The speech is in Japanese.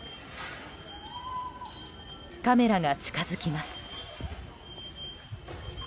カメラが近づきます。